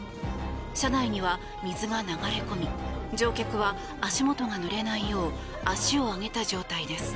車内には水が流れ込み乗客は足元がぬれないよう足を上げた状態です。